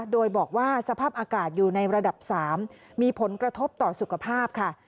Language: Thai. โดยบอกว่าสภาพอากาศอยู่ในระดับ๓มีผลกระทบต่อสุขภาพค่ะ